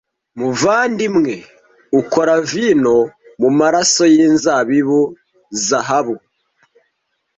muvandimwe ukora vino mumaraso yinzabibu zahabu